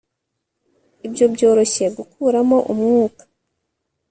ibyo byoroshye gukuramo umwuka